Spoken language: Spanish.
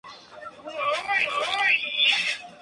Luego pasó un año en Leipzig y Gotinga.